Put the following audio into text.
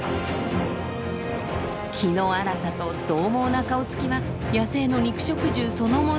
気の荒さとどう猛な顔つきは野生の肉食獣そのもの。